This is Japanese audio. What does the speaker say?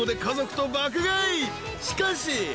［しかし］